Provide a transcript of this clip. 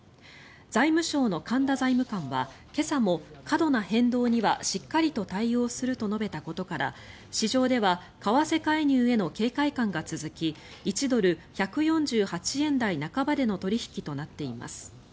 財務省の神田財務官は、今朝も過度な変動にはしっかりと対応すると述べたことから市場では為替介入への警戒感が続き１ドル＝１４８円台半ばでの取引となっています。